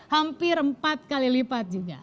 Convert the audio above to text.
hampir empat kali lipat juga